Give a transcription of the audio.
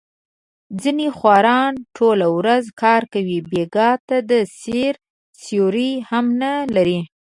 ځنې خواران ټوله ورځ کار کوي، بېګاه ته د سیر سیوری هم نه لري.